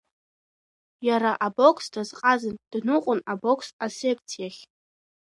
Иара абокс дазҟазан, дныҟәон абокс асекциахь.